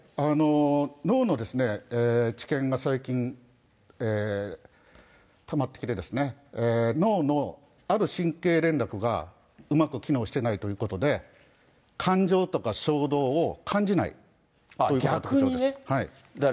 脳の治験が最近、たまってきて、脳のある神経連絡がうまく機能してないということで、感情とか衝動を感じないということが特徴です。